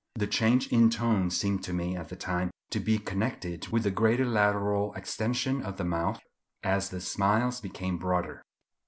The change in tone seemed to me at the time to be connected with the greater lateral extension of the mouth as the smiles became broader.